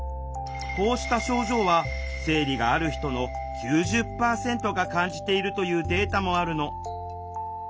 こうした症状は生理がある人の９０％が感じているというデータもあるの。